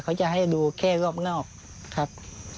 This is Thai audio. เขาจะให้ดูแค่รอบนอกครับ